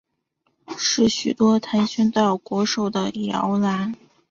是许多跆拳道国手的摇篮。